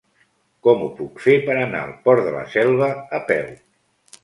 Com ho puc fer per anar al Port de la Selva a peu?